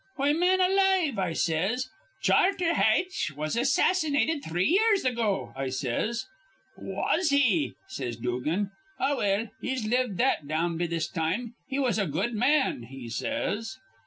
'Why, man alive,' I says, 'Charter Haitch was assassinated three years ago,' I says. 'Was he?' says Dugan. 'Ah, well, he's lived that down be this time. He was a good man,' he says.